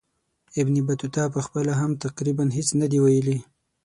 ابن بطوطه پخپله هم تقریبا هیڅ نه دي ویلي.